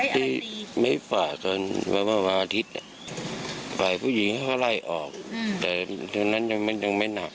สีแดงจะยืดอ่ะนะสีแดงเห็นแค่นั้นเอง